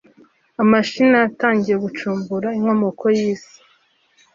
Imashini yatangiye gucukumbura inkomoko y’Isi